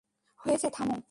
হয়েছে, থামো।